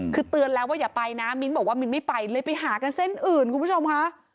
คือเตือนแล้วว่าอย่าไปนะมิ้นบอกว่ามิ้นไม่ไปเลยไปหากันเส้นอื่นคุณผู้ชมค่ะ